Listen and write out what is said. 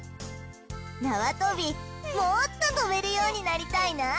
縄跳びもっと跳べるようになりたいな。